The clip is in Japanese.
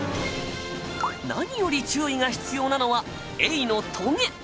何より注意が必要なのはエイのトゲ。